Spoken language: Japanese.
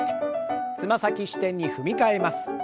つま先支点に踏み替えます。